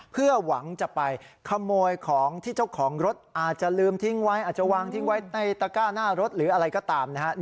เพื่อหวังจะไปขโมยของที่เจ้าของรถอาจจะลืมทิ้งไว้อาจจะวางทิ้งไว้ในตะก้าหน้ารถหรืออะไรก็ตามนะครับ